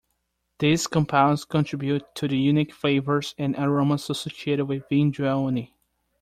These compounds contribute to the unique flavors and aromas associated with vin jaune.